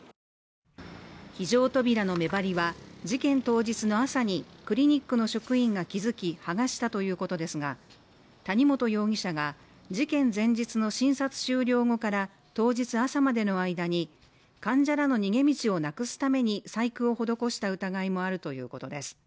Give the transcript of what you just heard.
非常扉の目張りは事件当日の朝にクリニックの職員が気付き剥がしたということですが谷本容疑者が事件前日の診察終了後から当日朝までの間に患者らの逃げ道をなくすために細工を施した疑いもあるということです。